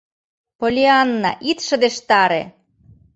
— Поллианна, ит шыдештаре!